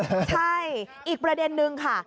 ใช่อีกประเด็นนึงค่ะ